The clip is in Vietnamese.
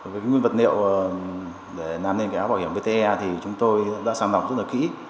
với nguyên vật liệu để nằm lên áo bảo hiểm vte chúng tôi đã sản phẩm rất kỹ